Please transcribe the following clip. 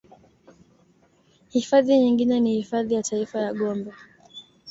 Hifadhi nyingine ni hifadhi ya taifa ya Gombe